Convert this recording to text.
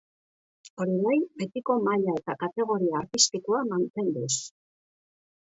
Hori bai, betiko maila eta kategoria artistikoa mantenduz.